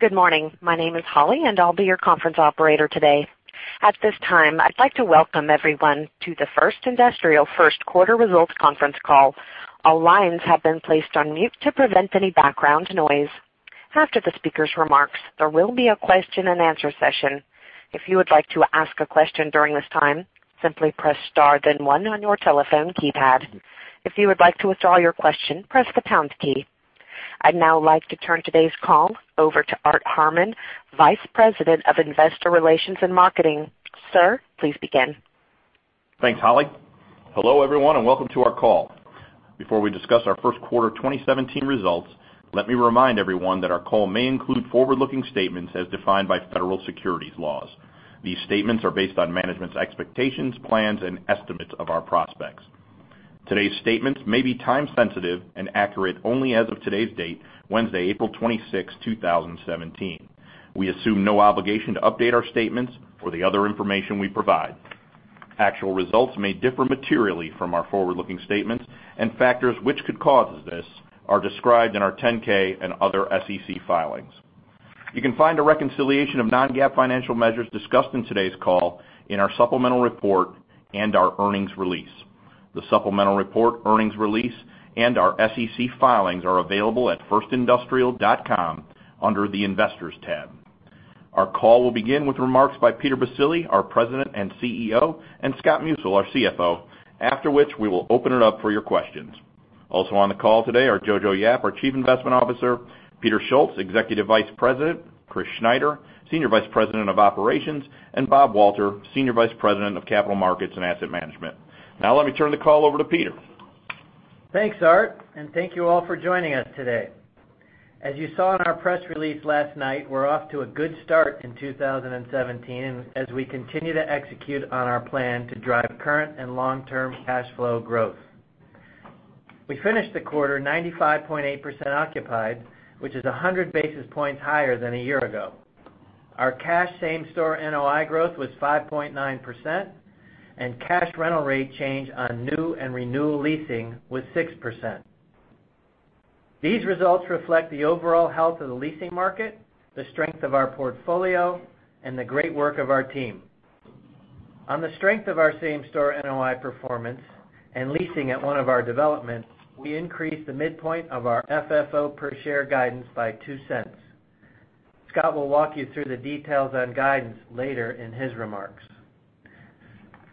Good morning. My name is Holly, and I will be your conference operator today. At this time, I would like to welcome everyone to the First Industrial First Quarter Results Conference Call. All lines have been placed on mute to prevent any background noise. After the speaker's remarks, there will be a question-and-answer session. If you would like to ask a question during this time, simply press star then one on your telephone keypad. If you would like to withdraw your question, press the pound key. I would now like to turn today's call over to Art Harmon, Vice President of Investor Relations and Marketing. Sir, please begin. Thanks, Holly. Hello everyone, welcome to our call. Before we discuss our first quarter 2017 results, let me remind everyone that our call may include forward-looking statements as defined by federal securities laws. These statements are based on management's expectations, plans, and estimates of our prospects. Today's statements may be time sensitive and accurate only as of today's date, Wednesday, April 26, 2017. We assume no obligation to update our statements or the other information we provide. Actual results may differ materially from our forward-looking statements and factors which could cause this are described in our 10-K and other SEC filings. You can find a reconciliation of non-GAAP financial measures discussed in today's call in our supplemental report and our earnings release. The supplemental report, earnings release, and our SEC filings are available at firstindustrial.com under the Investors tab. Our call will begin with remarks by Peter Baccile, our President and CEO, and Scott Musil, our CFO. After which, we will open it up for your questions. Also on the call today are Johannson Yap, our Chief Investment Officer, Peter Schultz, Executive Vice President, Christopher Schneider, Senior Vice President of Operations, and Robert Walter, Senior Vice President of Capital Markets and Asset Management. Let me turn the call over to Peter. Thanks, Art, thank you all for joining us today. As you saw in our press release last night, we are off to a good start in 2017 as we continue to execute on our plan to drive current and long-term cash flow growth. We finished the quarter 95.8% occupied, which is 100 basis points higher than a year ago. Our cash same-store NOI growth was 5.9%, and cash rental rate change on new and renewal leasing was 6%. These results reflect the overall health of the leasing market, the strength of our portfolio, and the great work of our team. On the strength of our same-store NOI performance and leasing at one of our developments, we increased the midpoint of our FFO per share guidance by $0.02. Scott will walk you through the details on guidance later in his remarks.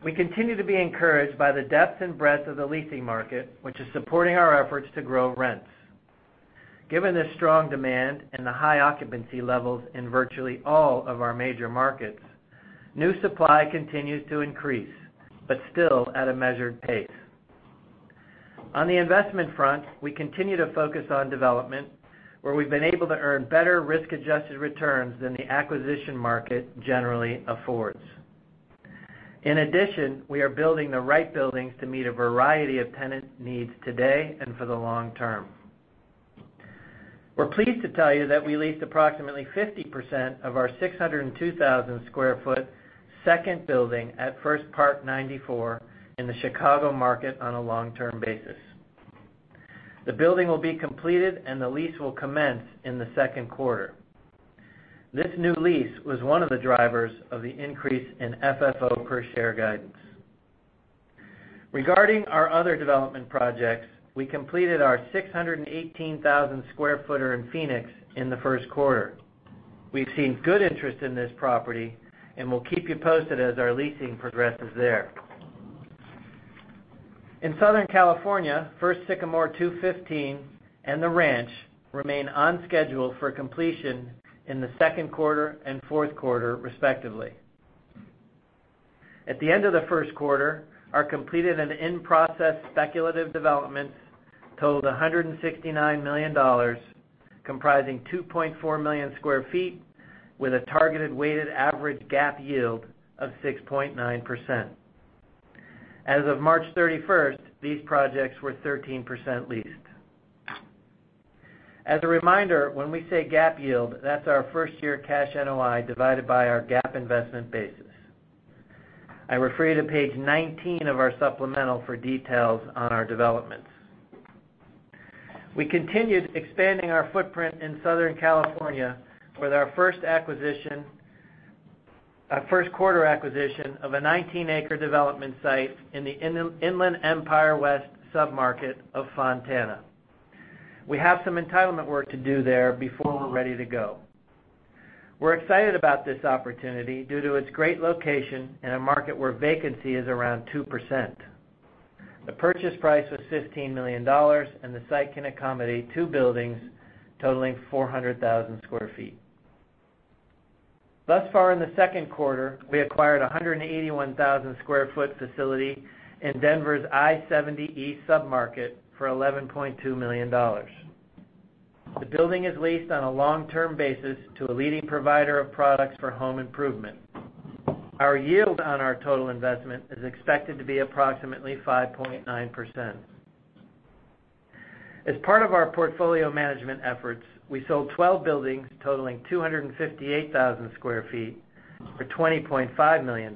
We continue to be encouraged by the depth and breadth of the leasing market, which is supporting our efforts to grow rents. Given the strong demand and the high occupancy levels in virtually all of our major markets, new supply continues to increase, but still at a measured pace. In addition, we are building the right buildings to meet a variety of tenant needs today and for the long term. We're pleased to tell you that we leased approximately 50% of our 602,000 square foot second building at First Park 94 in the Chicago market on a long-term basis. The building will be completed, and the lease will commence in the second quarter. This new lease was one of the drivers of the increase in FFO per share guidance. Regarding our other development projects, we completed our 618,000 square footer in Phoenix in the first quarter. We've seen good interest in this property, and we'll keep you posted as our leasing progresses there. In Southern California, First Sycamore 215 and The Ranch remain on schedule for completion in the second quarter and fourth quarter, respectively. At the end of the first quarter, our completed and in-process speculative developments totaled $169 million, comprising 2.4 million square feet, with a targeted weighted average GAAP yield of 6.9%. As of March 31st, these projects were 13% leased. As a reminder, when we say GAAP yield, that's our first-year cash NOI divided by our GAAP investment basis. I refer you to page 19 of our supplemental for details on our developments. We continued expanding our footprint in Southern California with our first quarter acquisition of a 19-acre development site in the Inland Empire West submarket of Fontana. We have some entitlement work to do there before we're ready to go. We're excited about this opportunity due to its great location in a market where vacancy is around 2%. The purchase price was $15 million, and the site can accommodate two buildings totaling 400,000 square feet. Thus far in the second quarter, we acquired a 181,000 square foot facility in Denver's I-70 East submarket for $11.2 million. The building is leased on a long-term basis to a leading provider of products for home improvement. Our yield on our total investment is expected to be approximately 5.9%. As part of our portfolio management efforts, we sold 12 buildings totaling 258,000 square feet for $20.5 million.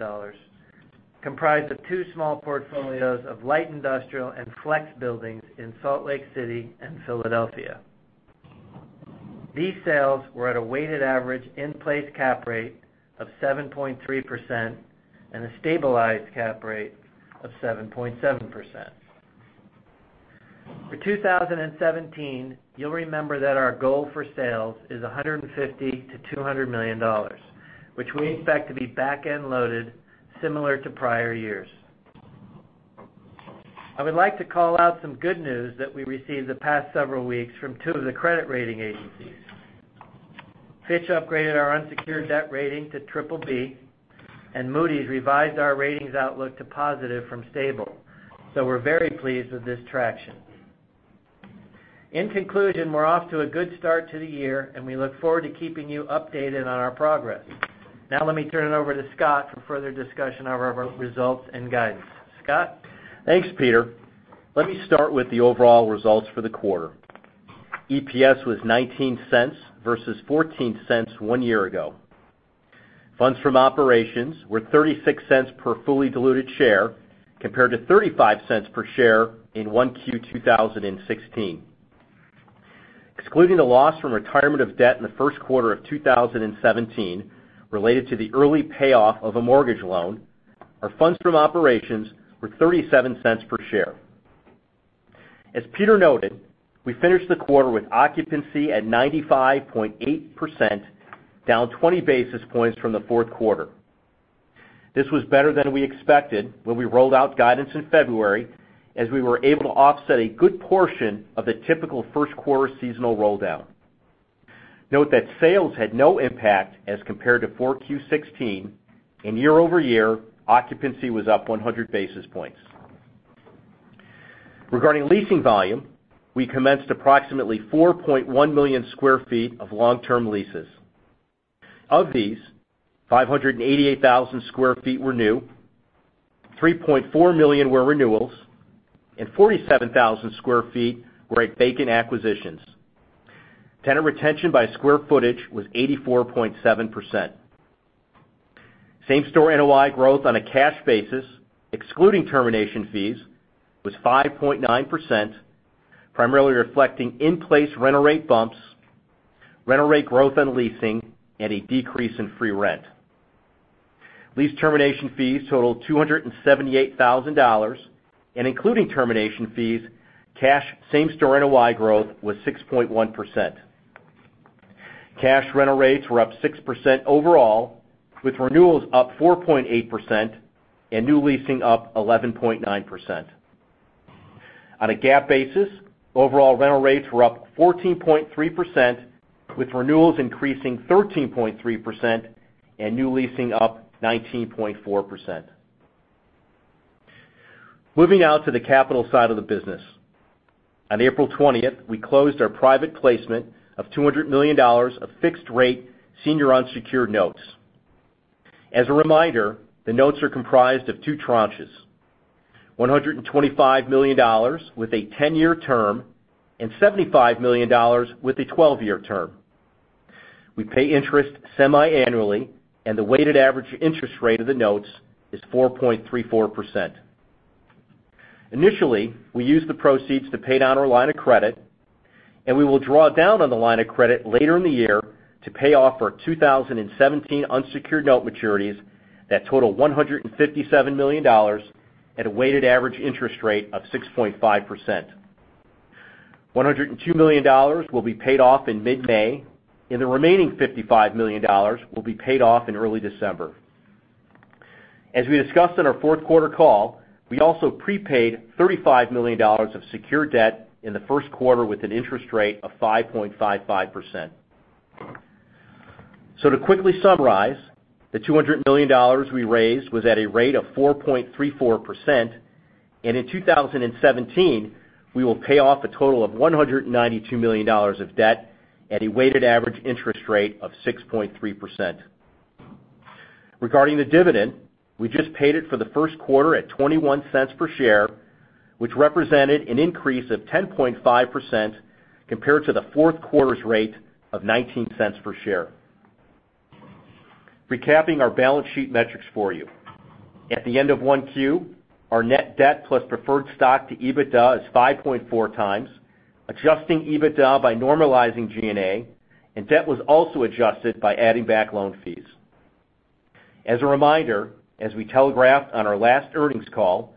Comprised of two small portfolios of light industrial and flex buildings in Salt Lake City and Philadelphia. These sales were at a weighted average in-place cap rate of 7.3% and a stabilized cap rate of 7.7%. For 2017, you'll remember that our goal for sales is $150 million-$200 million, which we expect to be back-end loaded similar to prior years. I would like to call out some good news that we received the past several weeks from two of the credit rating agencies. Fitch upgraded our unsecured debt rating to BBB, and Moody's revised our ratings outlook to positive from stable. We're very pleased with this traction. In conclusion, we're off to a good start to the year, and we look forward to keeping you updated on our progress. Now let me turn it over to Scott for further discussion of our results and guidance. Scott? Thanks, Peter. Let me start with the overall results for the quarter. EPS was $0.19 versus $0.14 one year ago. Funds from operations were $0.36 per fully diluted share, compared to $0.35 per share in 1Q 2016. Excluding the loss from retirement of debt in the first quarter of 2017 related to the early payoff of a mortgage loan, our funds from operations were $0.37 per share. As Peter noted, we finished the quarter with occupancy at 95.8%, down 20 basis points from the fourth quarter. This was better than we expected when we rolled out guidance in February, as we were able to offset a good portion of the typical first-quarter seasonal roll-down. Note that sales had no impact as compared to 4Q16, and year-over-year, occupancy was up 100 basis points. Regarding leasing volume, we commenced approximately 4.1 million sq ft of long-term leases. Of these, 588,000 sq ft were new, 3.4 million were renewals, and 47,000 sq ft were at vacant acquisitions. Tenant retention by square footage was 84.7%. Same-store NOI growth on a cash basis, excluding termination fees, was 5.9%, primarily reflecting in-place rental rate bumps, rental rate growth on leasing, and a decrease in free rent. Lease termination fees totaled $278,000, and including termination fees, cash same-store NOI growth was 6.1%. Cash rental rates were up 6% overall, with renewals up 4.8% and new leasing up 11.9%. On a GAAP basis, overall rental rates were up 14.3%, with renewals increasing 13.3% and new leasing up 19.4%. Moving now to the capital side of the business. On April 20th, we closed our private placement of $200 million of fixed-rate senior unsecured notes. As a reminder, the notes are comprised of two tranches: $125 million with a 10-year term and $75 million with a 12-year term. We pay interest semi-annually, and the weighted average interest rate of the notes is 4.34%. Initially, we used the proceeds to pay down our line of credit, and we will draw down on the line of credit later in the year to pay off our 2017 unsecured note maturities that total $157 million at a weighted average interest rate of 6.5%. $102 million will be paid off in mid-May, and the remaining $55 million will be paid off in early December. As we discussed on our fourth-quarter call, we also prepaid $35 million of secured debt in the first quarter with an interest rate of 5.55%. To quickly summarize, the $200 million we raised was at a rate of 4.34%. In 2017, we will pay off a total of $192 million of debt at a weighted average interest rate of 6.3%. Regarding the dividend, we just paid it for the first quarter at $0.21 per share, which represented an increase of 10.5% compared to the fourth quarter's rate of $0.19 per share. Recapping our balance sheet metrics for you. At the end of 1Q, our net debt plus preferred stock to EBITDA is 5.4 times, adjusting EBITDA by normalizing G&A, and debt was also adjusted by adding back loan fees. As a reminder, as we telegraphed on our last earnings call,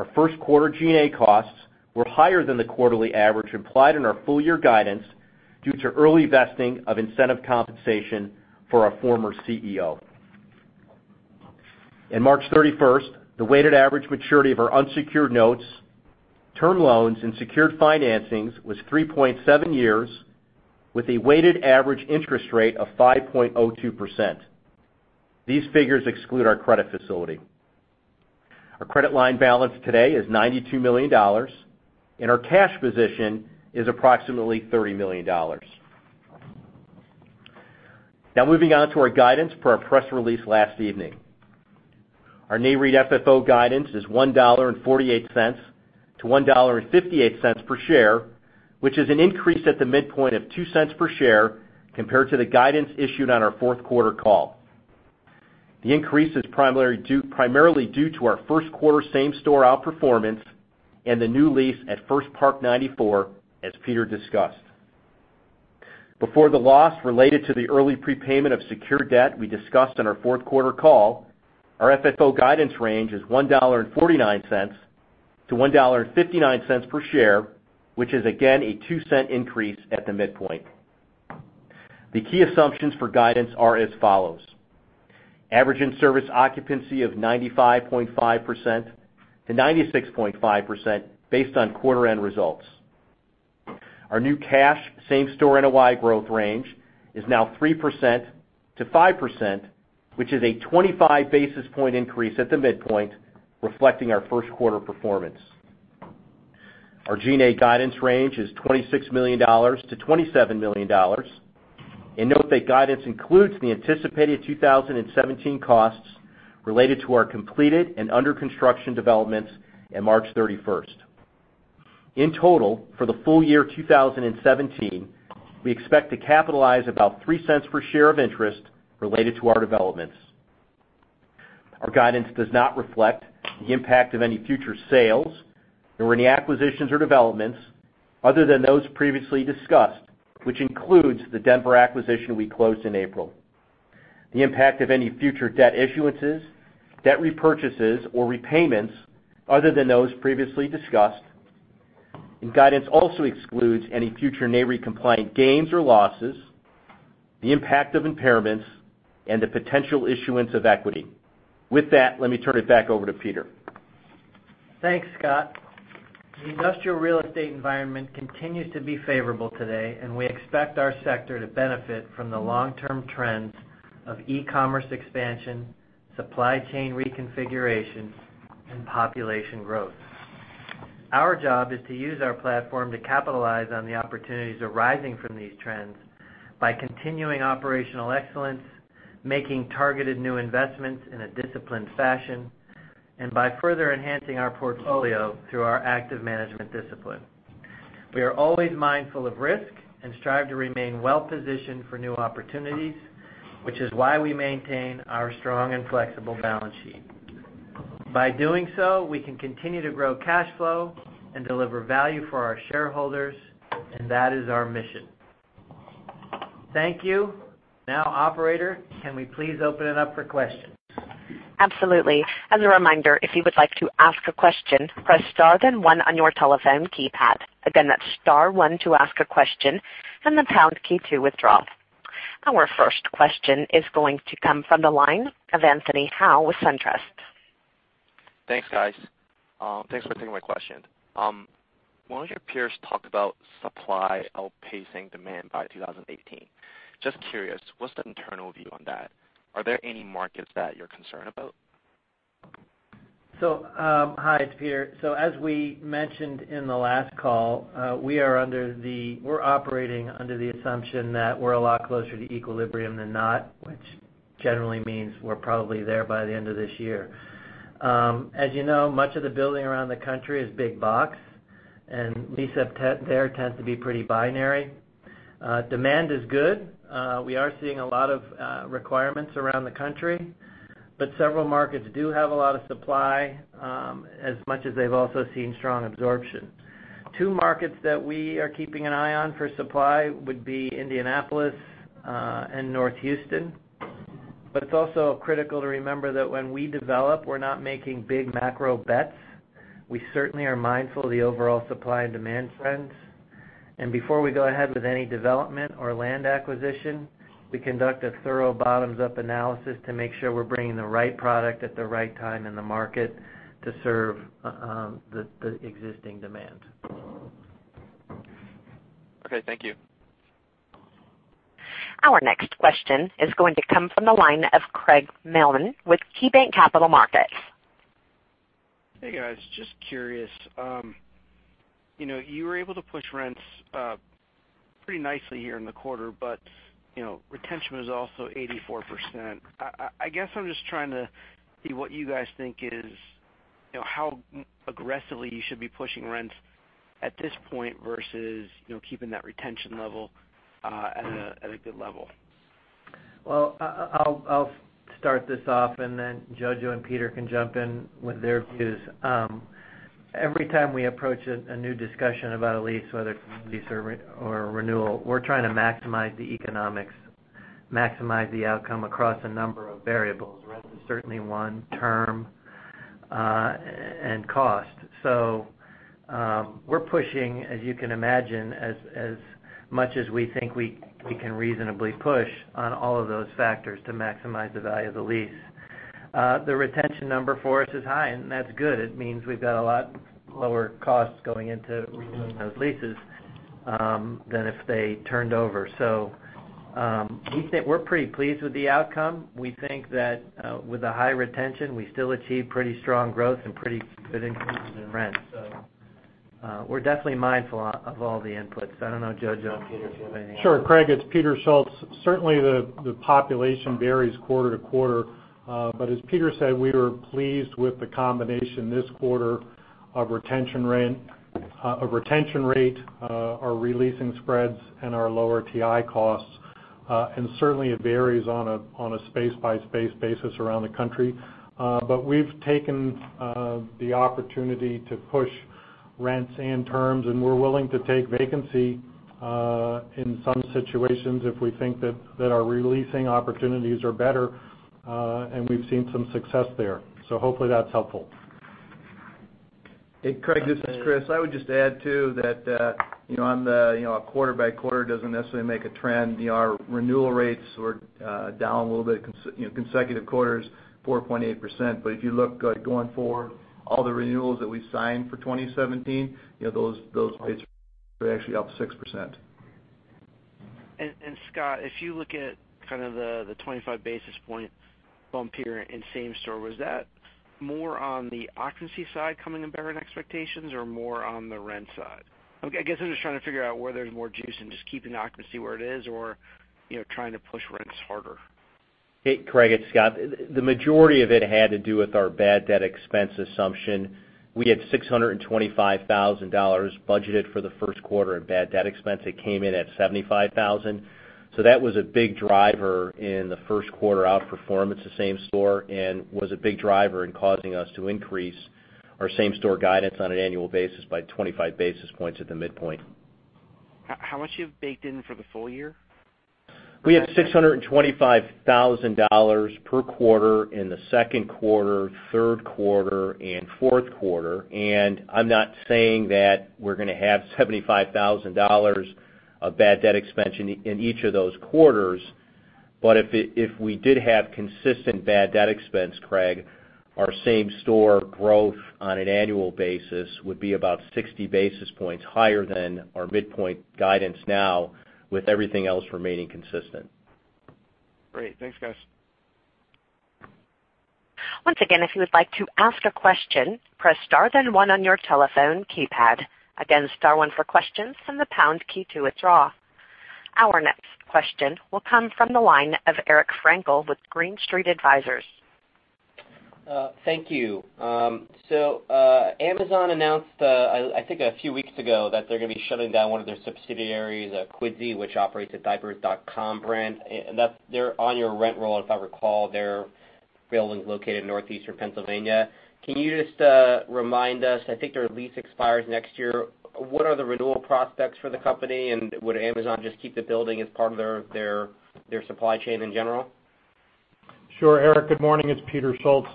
our first quarter G&A costs were higher than the quarterly average implied in our full-year guidance due to early vesting of incentive compensation for our former CEO. In March 31st, the weighted average maturity of our unsecured notes, term loans, and secured financings was 3.7 years, with a weighted average interest rate of 5.02%. These figures exclude our credit facility. Our credit line balance today is $92 million, and our cash position is approximately $30 million. Moving on to our guidance per our press release last evening. Our NAREIT FFO guidance is $1.48 to $1.58 per share. It is an increase at the midpoint of $0.02 per share compared to the guidance issued on our fourth quarter call. The increase is primarily due to our first quarter same-store outperformance and the new lease at First Park 94, as Peter discussed. Before the loss related to the early prepayment of secured debt we discussed on our fourth quarter call, our FFO guidance range is $1.49 to $1.59 per share, which is again, a $0.02 increase at the midpoint. The key assumptions for guidance are as follows: average in-service occupancy of 95.5%-96.5% based on quarter-end results. Our new cash same-store NOI growth range is now 3%-5%, which is a 25 basis point increase at the midpoint, reflecting our first quarter performance. Our G&A guidance range is $26 million-$27 million. Note that guidance includes the anticipated 2017 costs related to our completed and under-construction developments in March 31st. In total, for the full year 2017, we expect to capitalize about $0.03 per share of interest related to our developments. Our guidance does not reflect the impact of any future sales or any acquisitions or developments other than those previously discussed, which includes the Denver acquisition we closed in April, or the impact of any future debt issuances, debt repurchases, or repayments other than those previously discussed. Guidance also excludes any future NAREIT compliant gains or losses, the impact of impairments, and the potential issuance of equity. With that, let me turn it back over to Peter. Thanks, Scott. The industrial real estate environment continues to be favorable today. We expect our sector to benefit from the long-term trends of e-commerce expansion, supply chain reconfiguration, and population growth. Our job is to use our platform to capitalize on the opportunities arising from these trends by continuing operational excellence, making targeted new investments in a disciplined fashion, by further enhancing our portfolio through our active management discipline. We are always mindful of risk and strive to remain well-positioned for new opportunities, which is why we maintain our strong and flexible balance sheet. By doing so, we can continue to grow cash flow and deliver value for our shareholders. That is our mission. Thank you. Operator, can we please open it up for questions? Absolutely. As a reminder, if you would like to ask a question, press star, then one on your telephone keypad. Again, that's star one to ask a question and the pound key to withdraw. Our first question is going to come from the line of Anthony Powell with SunTrust. Thanks, guys. Thanks for taking my question. One of your peers talked about supply outpacing demand by 2018. Just curious, what's the internal view on that? Are there any markets that you're concerned about? Hi, it's Peter. As we mentioned in the last call, we're operating under the assumption that we're a lot closer to equilibrium than not, which generally means we're probably there by the end of this year. As you know, much of the building around the country is big box, lease up there tends to be pretty binary. Demand is good. We are seeing a lot of requirements around the country, several markets do have a lot of supply, as much as they've also seen strong absorption. Two markets that we are keeping an eye on for supply would be Indianapolis and North Houston. It's also critical to remember that when we develop, we're not making big macro bets. We certainly are mindful of the overall supply and demand trends. Before we go ahead with any development or land acquisition, we conduct a thorough bottoms-up analysis to make sure we're bringing the right product at the right time in the market to serve the existing demand. Okay, thank you. Our next question is going to come from the line of Craig Mailman with KeyBanc Capital Markets. Hey, guys. Just curious. You were able to push rents pretty nicely here in the quarter, but retention was also 84%. I guess I'm just trying to see what you guys think is how aggressively you should be pushing rents at this point versus keeping that retention level at a good level. I'll start this off, and then Jojo and Peter can jump in with their views. Every time we approach a new discussion about a lease, whether it's a lease or a renewal, we're trying to maximize the economics, maximize the outcome across a number of variables. Rent is certainly one, term, and cost. We're pushing, as you can imagine, as much as we think we can reasonably push on all of those factors to maximize the value of the lease. The retention number for us is high, and that's good. It means we've got a lot lower costs going into renewing those leases than if they turned over. We're pretty pleased with the outcome. We think that with the high retention, we still achieve pretty strong growth and pretty good increases in rent. We're definitely mindful of all the inputs. I don't know, Jojo and Peter, if you have anything to add. Sure, Craig, it's Peter Schultz. Certainly, the population varies quarter to quarter. As Peter said, we were pleased with the combination this quarter of retention rate, our re-leasing spreads, and our lower TI costs. Certainly, it varies on a space-by-space basis around the country. We've taken the opportunity to push rents and terms, and we're willing to take vacancy in some situations if we think that our releasing opportunities are better, and we've seen some success there. Hopefully that's helpful. Hey, Craig, this is Chris. I would just add too, that on the quarter-by-quarter doesn't necessarily make a trend. Our renewal rates were down a little bit, consecutive quarters, 4.8%. If you look going forward, all the renewals that we signed for 2017, those rates are actually up 6%. Scott, if you look at the 25 basis point bump here in same store, was that more on the occupancy side coming in better than expectations or more on the rent side? I guess I'm just trying to figure out where there's more juice in just keeping the occupancy where it is or trying to push rents harder. Hey, Craig, it's Scott. The majority of it had to do with our bad debt expense assumption. We had $625,000 budgeted for the first quarter in bad debt expense. It came in at $75,000. That was a big driver in the first quarter outperformance of same store and was a big driver in causing us to increase our same store guidance on an annual basis by 25 basis points at the midpoint. How much do you have baked in for the full year? We have $625,000 per quarter in the second quarter, third quarter, and fourth quarter. I'm not saying that we're going to have $75,000 of bad debt expense in each of those quarters, but if we did have consistent bad debt expense, Craig, our same store growth on an annual basis would be about 60 basis points higher than our midpoint guidance now, with everything else remaining consistent. Great. Thanks, guys. Once again, if you would like to ask a question, press star then one on your telephone keypad. Again, star one for questions and the pound key to withdraw. Our next question will come from the line of Eric Frankel with Green Street Advisors. Thank you. Amazon announced, I think, a few weeks ago, that they're going to be shutting down one of their subsidiaries, Quidsi, which operates a Diapers.com brand. They're on your rent roll, if I recall, their building's located in northeastern Pennsylvania. Can you just remind us, I think their lease expires next year, what are the renewal prospects for the company, and would Amazon just keep the building as part of their supply chain in general? Sure, Eric. Good morning. It's Peter Schultz.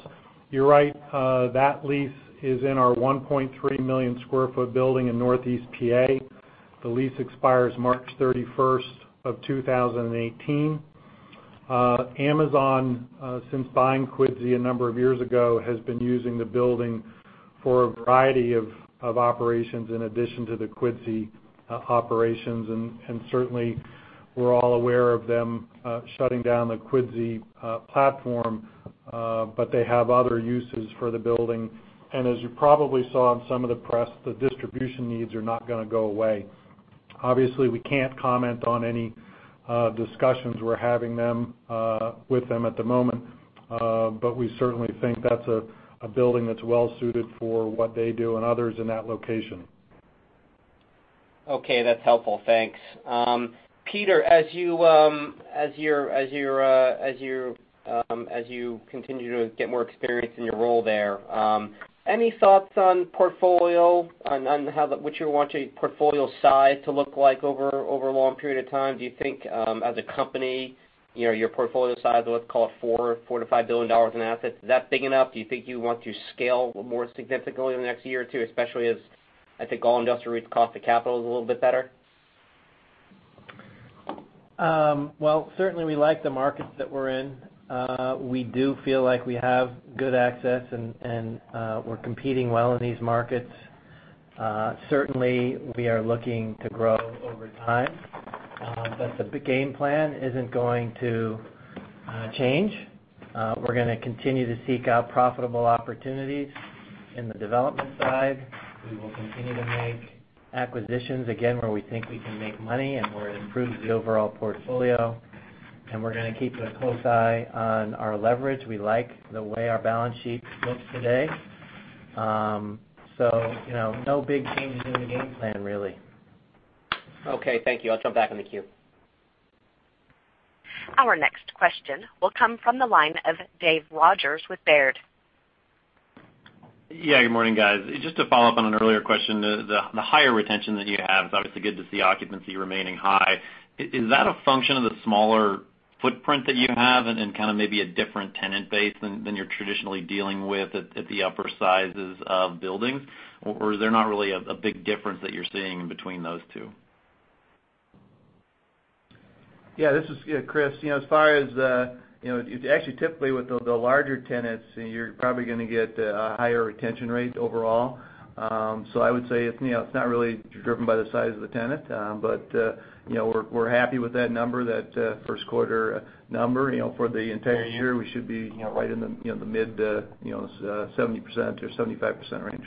You're right, that lease is in our 1.3 million sq ft building in northeast P.A. The lease expires March 31st of 2018. Amazon, since buying Quidsi a number of years ago, has been using the building for a variety of operations in addition to the Quidsi operations. Certainly, we're all aware of them shutting down the Quidsi platform. They have other uses for the building. As you probably saw in some of the press, the distribution needs are not going to go away. Obviously, we can't comment on any discussions we're having with them at the moment. We certainly think that's a building that's well-suited for what they do and others in that location. Okay. That's helpful. Thanks. Peter, as you continue to get more experience in your role there, any thoughts on portfolio, on what you want your portfolio size to look like over a long period of time? Do you think, as a company, your portfolio size, let's call it $4 billion-$5 billion in assets, is that big enough? Do you think you want to scale more significantly in the next year or two, especially as, I think, all industrial cost of capital is a little bit better? Well, certainly, we like the markets that we're in. We do feel like we have good access and we're competing well in these markets. Certainly, we are looking to grow over time. The game plan isn't going to change. We're going to continue to seek out profitable opportunities in the development side. We will continue to make acquisitions, again, where we think we can make money and where it improves the overall portfolio. We're going to keep a close eye on our leverage. We like the way our balance sheet looks today. No big changes in the game plan, really. Okay. Thank you. I'll jump back in the queue. Our next question will come from the line of Dave Rodgers with Baird. Yeah. Good morning, guys. Just to follow up on an earlier question, the higher retention that you have, it's obviously good to see occupancy remaining high. Is that a function of the smaller footprint that you have and kind of maybe a different tenant base than you're traditionally dealing with at the upper sizes of buildings? Or is there not really a big difference that you're seeing between those two? Yeah. This is Chris. Actually, typically, with the larger tenants, you're probably going to get higher retention rates overall. I would say it's not really driven by the size of the tenant. We're happy with that number, that first quarter number. For the entire year, we should be right in the mid to 75% range.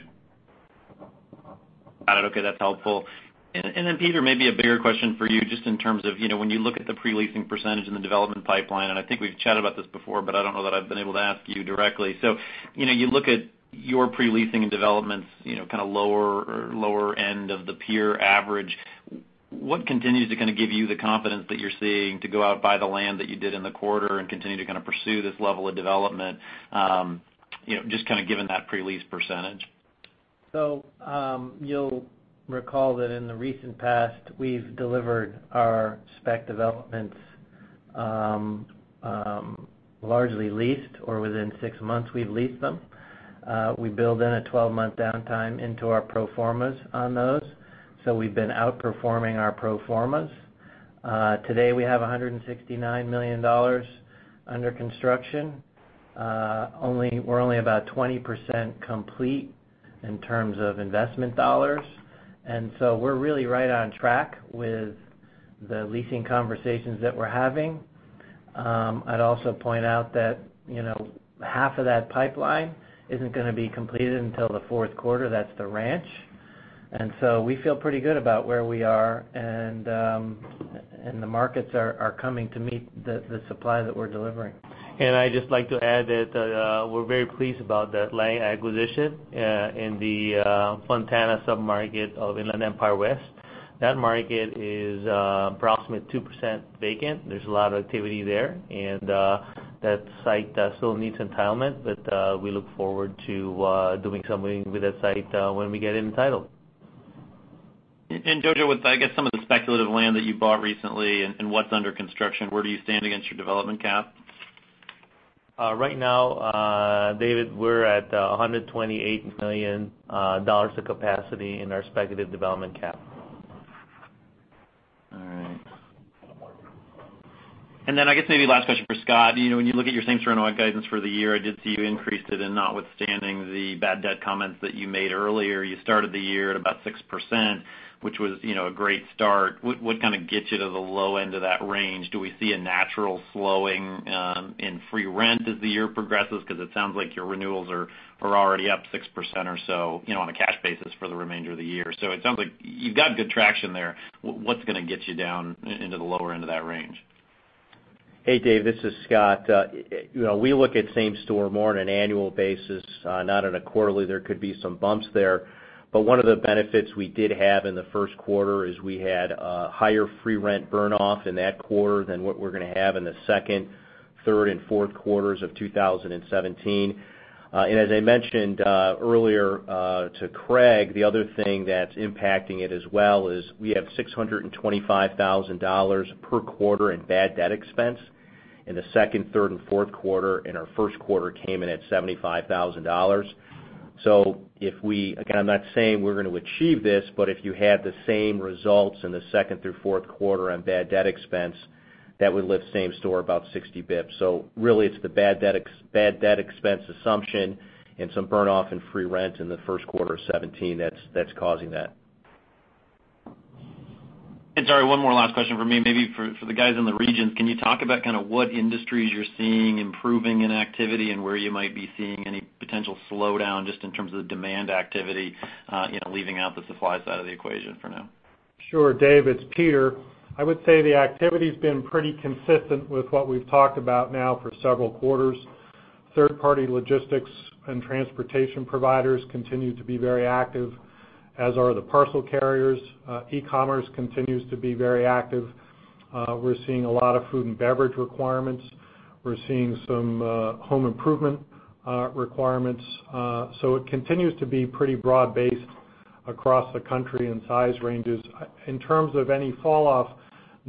Got it. Okay. That's helpful. Peter, maybe a bigger question for you, just in terms of when you look at the pre-leasing percentage in the development pipeline, and I think we've chatted about this before, but I don't know that I've been able to ask you directly. You look at your pre-leasing and developments kind of lower end of the peer average. What continues to kind of give you the confidence that you're seeing to go out buy the land that you did in the quarter and continue to kind of pursue this level of development, just kind of given that pre-lease percentage? You'll recall that in the recent past, we've delivered our spec developments largely leased or within six months we've leased them. We build in a 12-month downtime into our pro formas on those, we've been outperforming our pro formas. Today we have $169 million under construction. We're only about 20% complete in terms of investment dollars, we're really right on track with the leasing conversations that we're having. I'd also point out that half of that pipeline isn't going to be completed until the fourth quarter, that's The Ranch. We feel pretty good about where we are, the markets are coming to meet the supply that we're delivering. I'd just like to add that we're very pleased about that land acquisition in the Fontana sub-market of Inland Empire West. That market is approximately 2% vacant. There's a lot of activity there, and that site still needs entitlement, but we look forward to doing something with that site when we get it entitled. Jojo, with, I guess, some of the speculative land that you bought recently and what's under construction, where do you stand against your development cap? Right now, David, we're at $128 million of capacity in our speculative development cap. All right. Then, I guess maybe last question for Scott. When you look at your same-store NOI guidance for the year, I did see you increase it and notwithstanding the bad debt comments that you made earlier, you started the year at about 6%, which was a great start. What kind of gets you to the low end of that range? Do we see a natural slowing in free rent as the year progresses? Because it sounds like your renewals are already up 6% or so, on a cash basis for the remainder of the year. It sounds like you've got good traction there. What's going to get you down into the lower end of that range? Hey, Dave, this is Scott. We look at same-store more on an annual basis, not on a quarterly. There could be some bumps there. But one of the benefits we did have in the first quarter is we had a higher free rent burn-off in that quarter than what we're going to have in the second, third, and fourth quarters of 2017. As I mentioned earlier to Craig, the other thing that's impacting it as well is we have $625,000 per quarter in bad debt expense in the second, third, and fourth quarter, and our first quarter came in at $75,000. If we, again, I'm not saying we're going to achieve this, but if you had the same results in the second through fourth quarter on bad debt expense, that would lift same-store about 60 basis points. Really it's the bad debt expense assumption and some burn-off in free rent in the first quarter of 2017 that's causing that. Sorry, one more last question from me. Maybe for the guys in the regions, can you talk about kind of what industries you're seeing improving in activity and where you might be seeing any potential slowdown just in terms of the demand activity, leaving out the supply side of the equation for now? Sure, Dave. It's Peter. I would say the activity's been pretty consistent with what we've talked about now for several quarters. Third-party logistics and transportation providers continue to be very active, as are the parcel carriers. E-commerce continues to be very active. We're seeing a lot of food and beverage requirements. We're seeing some home improvement requirements. So it continues to be pretty broad-based across the country in size ranges. In terms of any falloff,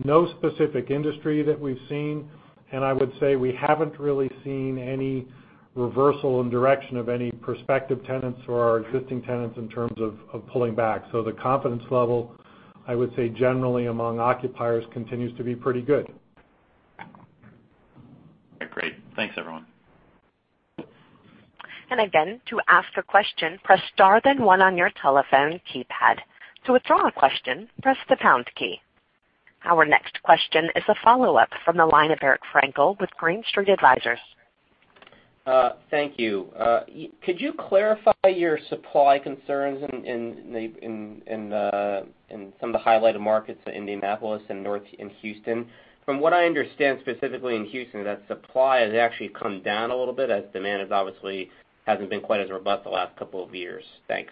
no specific industry that we've seen, and I would say we haven't really seen any reversal in direction of any prospective tenants or our existing tenants in terms of pulling back. The confidence level, I would say generally among occupiers, continues to be pretty good. Great. Thanks, everyone. Again, to ask a question, press star then one on your telephone keypad. To withdraw a question, press the pound key. Our next question is a follow-up from the line of Eric Frankel with Green Street Advisors. Thank you. Could you clarify your supply concerns in some of the highlighted markets, Indianapolis and Houston? From what I understand, specifically in Houston, that supply has actually come down a little bit as demand obviously hasn't been quite as robust the last couple of years. Thanks.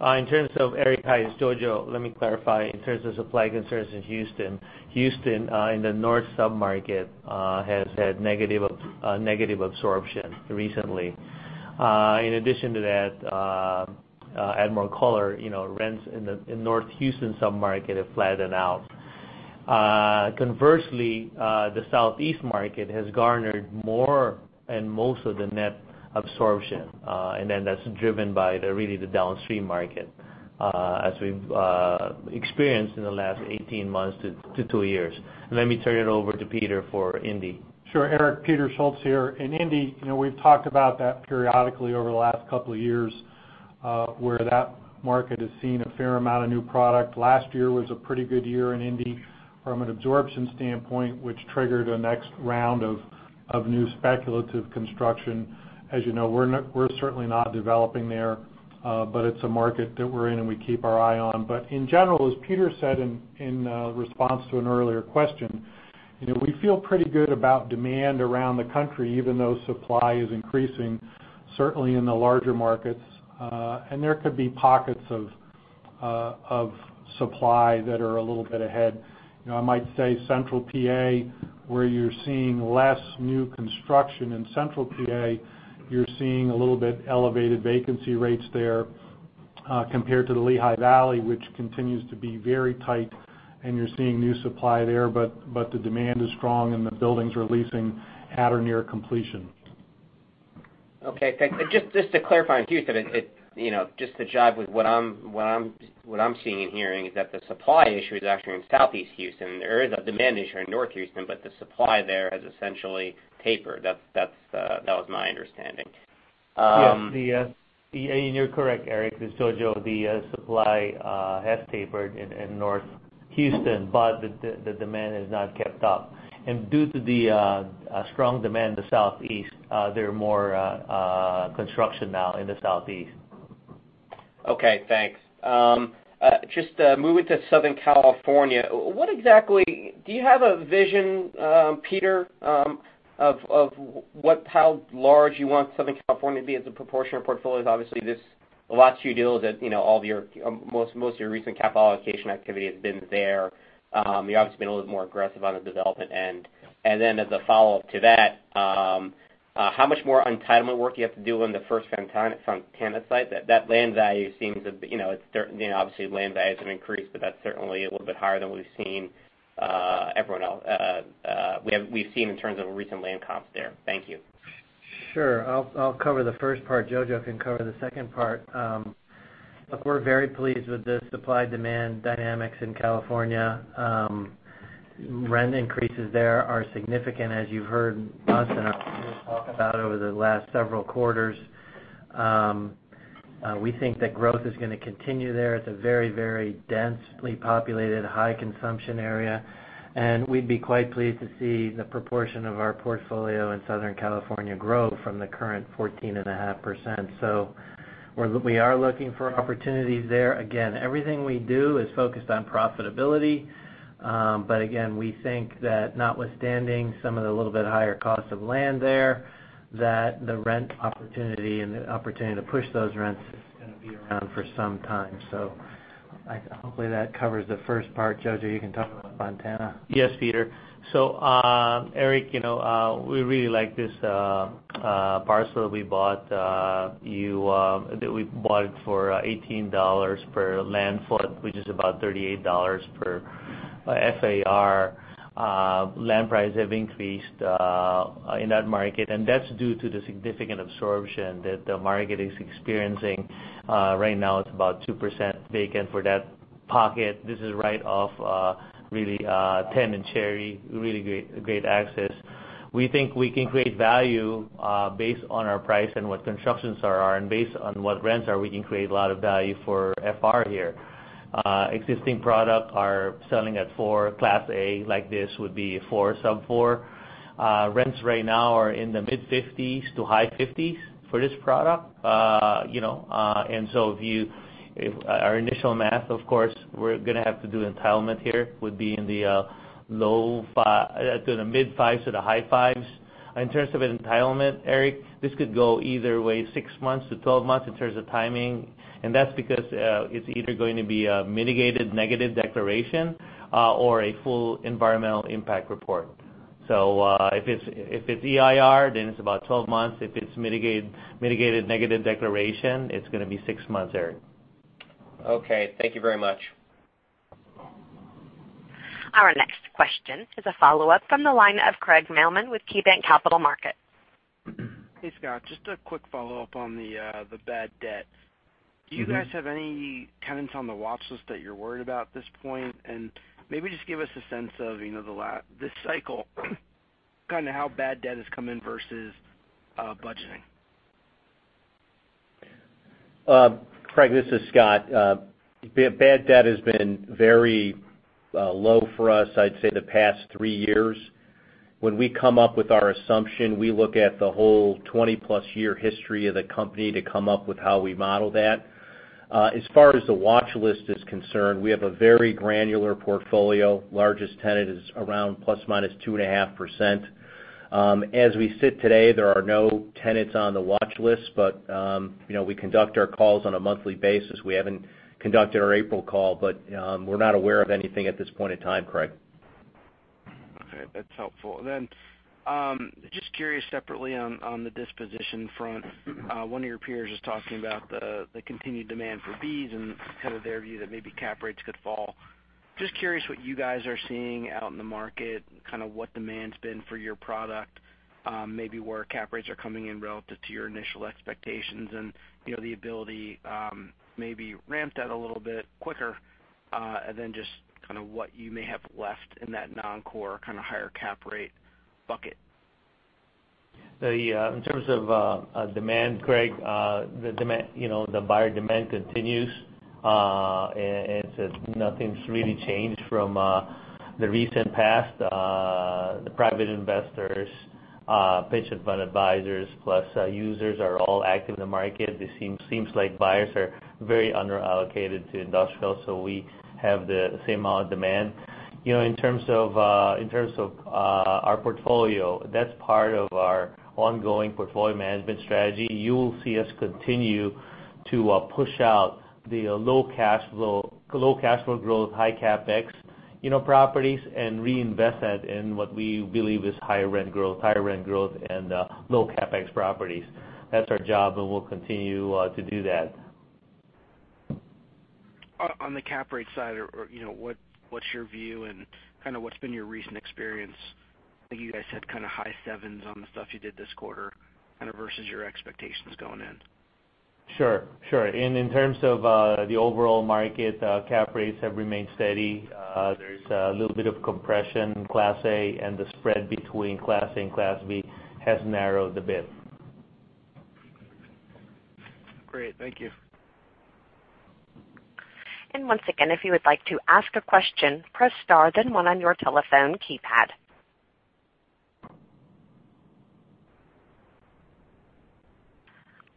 In terms of Eric, hi, it's Jojo. Let me clarify in terms of supply concerns in Houston. Houston, in the north sub-market, has had negative absorption recently. In addition to that, to add more color, rents in the North Houston sub-market have flattened out. Conversely, the Southeast market has garnered more and most of the net absorption. That's driven by really the downstream market, as we've experienced in the last 18 months to 2 years. Let me turn it over to Peter for Indy. Sure, Eric, Peter Schultz here. In Indy, we've talked about that periodically over the last couple of years, where that market has seen a fair amount of new product. Last year was a pretty good year in Indy from an absorption standpoint, which triggered a next round of new speculative construction. As you know, we're certainly not developing there. It's a market that we're in and we keep our eye on. In general, as Peter said in response to an earlier question, we feel pretty good about demand around the country, even though supply is increasing, certainly in the larger markets. There could be pockets of supply that are a little bit ahead. I might say Central P.A., where you're seeing less new construction in Central P.A., you're seeing a little bit elevated vacancy rates there compared to the Lehigh Valley, which continues to be very tight, and you're seeing new supply there. The demand is strong and the buildings are leasing at or near completion. Okay, thanks. Just to clarify on Houston, just to jive with what I'm seeing and hearing, is that the supply issue is actually in Southeast Houston. There is a demand issue in North Houston, the supply there has essentially tapered. That was my understanding. Yes. You're correct, Eric. This is Jojo. The supply has tapered in North Houston, the demand has not kept up. Due to the strong demand in the southeast, there are more construction now in the southeast. Okay, thanks. Just moving to Southern California. Do you have a vision, Peter, of how large you want Southern California to be as a proportion of portfolios? Obviously, most of your recent capital allocation activity has been there. You've obviously been a little more aggressive on the development end. As a follow-up to that, how much more entitlement work you have to do on the first Fontana site? That land value, obviously land values have increased, but that's certainly a little bit higher than we've seen in terms of recent land comps there. Thank you. Sure. I'll cover the first part. Jojo can cover the second part. Look, we're very pleased with the supply-demand dynamics in California. Rent increases there are significant, as you've heard us and Art talk about over the last several quarters. We think that growth is going to continue there. It's a very densely populated, high-consumption area, we'd be quite pleased to see the proportion of our portfolio in Southern California grow from the current 14.5%. We are looking for opportunities there. Again, everything we do is focused on profitability. Again, we think that notwithstanding some of the little bit higher cost of land there, that the rent opportunity and the opportunity to push those rents is going to be around for some time. Hopefully, that covers the first part. Jojo, you can talk about Fontana. Yes, Peter. Eric, we really like this parcel that we bought for $18 per land foot, which is about $38 per FAR. Land prices have increased in that market, that's due to the significant absorption that the market is experiencing. Right now, it's about 2% vacant for that pocket. This is right off 10th and Cherry, really great access. We think we can create value based on our price and what constructions are, based on what rents are, we can create a lot of value for FAR here. Existing product are selling at four. Class A like this would be four, sub-four. Rents right now are in the mid-$50s to high $50s for this product. If our initial math, of course, we're going to have to do entitlement here, would be in the mid-fives to the high fives. In terms of entitlement, Eric, this could go either way, six months to 12 months in terms of timing. That's because it's either going to be a mitigated negative declaration or a full environmental impact report. If it's EIR, then it's about 12 months. If it's mitigated negative declaration, it's going to be six months, Eric. Okay. Thank you very much. Our next question is a follow-up from the line of Craig Mailman with KeyBanc Capital Markets. Hey, Scott. Just a quick follow-up on the bad debt. Do you guys have any tenants on the watch list that you're worried about at this point? Maybe just give us a sense of this cycle, kind of how bad debt has come in versus budgeting. Craig, this is Scott. Bad debt has been very low for us, I'd say, the past three years. When we come up with our assumption, we look at the whole 20-plus year history of the company to come up with how we model that. As far as the watch list is concerned, we have a very granular portfolio. Largest tenant is around ±2.5%. As we sit today, there are no tenants on the watch list, but we conduct our calls on a monthly basis. We haven't conducted our April call, but we're not aware of anything at this point in time, Craig. Okay, that's helpful. Just curious separately on the disposition front. One of your peers was talking about the continued demand for Bs and kind of their view that maybe cap rates could fall. Just curious what you guys are seeing out in the market, kind of what demand's been for your product, maybe where cap rates are coming in relative to your initial expectations and the ability maybe ramp that a little bit quicker, and then just kind of what you may have left in that non-core kind of higher cap rate bucket. In terms of demand, Craig, the buyer demand continues. Nothing's really changed from the recent past. The private investors, patient fund advisors, plus users are all active in the market. It seems like buyers are very under-allocated to industrial. We have the same amount of demand. In terms of our portfolio, that's part of our ongoing portfolio management strategy. You'll see us continue to push out the low cash flow growth, high CapEx properties and reinvest that in what we believe is higher rent growth and low CapEx properties. That's our job, and we'll continue to do that. On the cap rate side, what's your view and kind of what's been your recent experience? I think you guys had kind of high sevens on the stuff you did this quarter, kind of versus your expectations going in. Sure. In terms of the overall market, cap rates have remained steady. There's a little bit of compression in Class A, and the spread between Class A and Class B has narrowed a bit. Great. Thank you. Once again, if you would like to ask a question, press star, then one on your telephone keypad.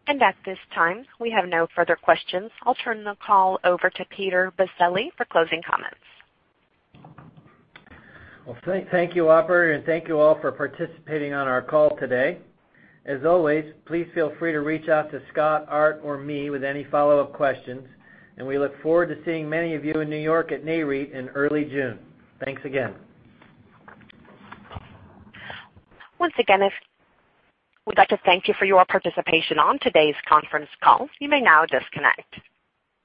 At this time, we have no further questions. I'll turn the call over to Peter Baccile for closing comments. Well, thank you, operator. Thank you all for participating on our call today. As always, please feel free to reach out to Scott, Art, or me with any follow-up questions. We look forward to seeing many of you in New York at NAREIT in early June. Thanks again. Once again, we'd like to thank you for your participation on today's conference call. You may now disconnect.